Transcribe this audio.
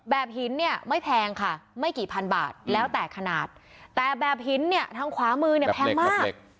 หินเนี่ยไม่แพงค่ะไม่กี่พันบาทแล้วแต่ขนาดแต่แบบหินเนี่ยทางขวามือเนี่ยแพงมาก